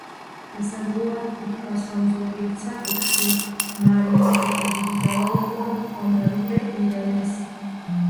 შესაძლოა ითქვას, რომ ზოგიერთ საკითხში მარიამს უფრო დიდი ძალაუფლება ჰქონდა ვიდრე ირენეს.